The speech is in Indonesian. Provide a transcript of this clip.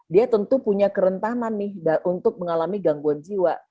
dia tentu punya kerentanan nih untuk mengalami gangguan jiwa